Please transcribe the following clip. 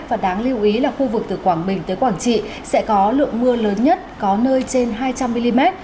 và đáng lưu ý là khu vực từ quảng bình tới quảng trị sẽ có lượng mưa lớn nhất có nơi trên hai trăm linh mm